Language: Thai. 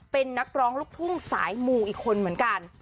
เป็นนักร้องลูกทุ่งสายมูอีกคนเหมือนกัน